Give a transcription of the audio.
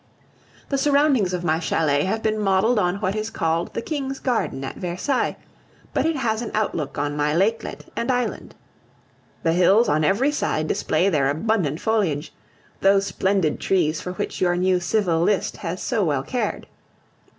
The surroundings of my chalet have been modeled on what is called the King's Garden at Versailles, but it has an outlook on my lakelet and island. The hills on every side display their abundant foliage those splendid trees for which your new civil list has so well cared.